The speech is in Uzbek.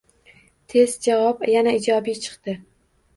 Test javob yana ijobiy chiqdi.